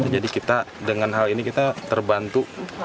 jadi kita dengan hal ini kita terbantu